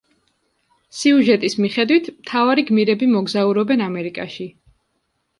სიუჟეტის მიხედვით, მთავარი გმირები მოგზაურობენ ამერიკაში.